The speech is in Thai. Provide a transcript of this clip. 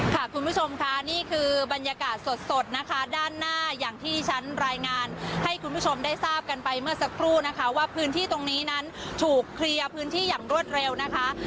คุณผู้ชมค่ะนี่คือบรรยากาศสดนะคะด้านหน้าอย่างที่ที่ฉันรายงานให้คุณผู้ชมได้ทราบกันไปเมื่อสักครู่นะคะว่าพื้นที่ตรงนี้นั้นถูกเคลียร์พื้นที่อย่างรวดเร็วนะคะ